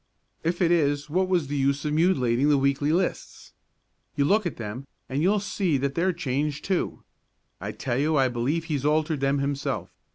"If it is, what was the use of mutilating the weekly lists? You look at them and you'll see that they're changed too. I tell you I believe he's altered them himself.